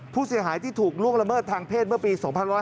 ผู้เสียหายที่ถูกล่วงละเมิดทางเพศเมื่อปี๒๕๕๙